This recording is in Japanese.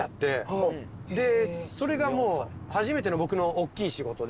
それが初めての僕のおっきい仕事で。